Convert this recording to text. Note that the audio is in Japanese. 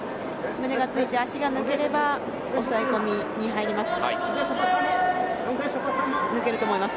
胸がついて足が抜ければ抑え込みに入ります。